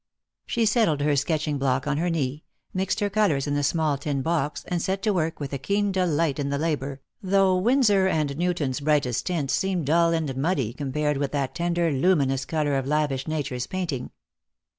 She settled her sketching block on her knee, mixed her colours in the small tin box, and set to work with a keen delight in the labour, though Winsor and Newton's brightest tints seemed dull and muddy compared with that tender luminous colour of lavish Nature's painting.